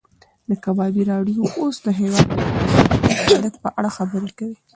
د کبابي راډیو اوس د هېواد د اقتصادي حالت په اړه خبرې کوي.